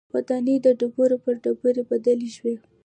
ودانۍ د ډبرو پر ډېرۍ بدلې شوې